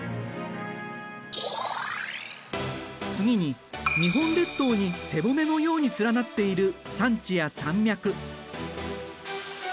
次に日本列島に背骨のように連なっている山地や山脈。